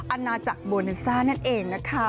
อาณาจักรโบเนซ่านั่นเองนะคะ